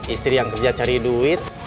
istri yang kerja cari duit